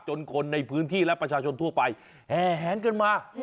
คนในพื้นที่และประชาชนทั่วไปแห่แหงกันมา